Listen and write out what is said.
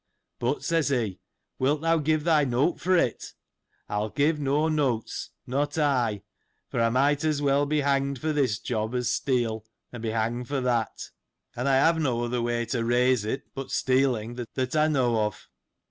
But, says he, wilt thou give thy note for it ? I'll give no notes, not I : for I might as well be hanged for this job, as steal, and be hanged for that ; and I have no other way to raise it, but stealing, that I know of.